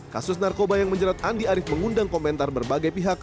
kasus narkoba yang menjerat andi arief mengundang komentar berbagai pihak